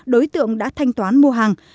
đối tượng đã thanh toán mua hàng